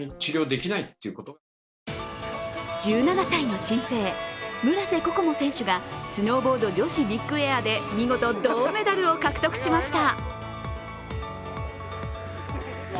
１７歳の新星、村瀬心椛選手がスノーボード女子ビッグエアで見事、銅メダルを獲得しました。